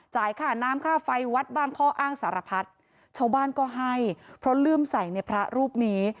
ค่าน้ำค่าไฟวัดบ้างข้ออ้างสารพัดชาวบ้านก็ให้เพราะเลื่อมใส่ในพระรูปนี้